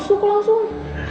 wah kemana sih lo ini